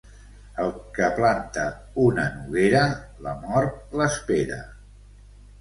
El que planta una noguera, la mort l'espera.